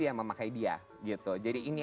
yang memakai dia gitu jadi ini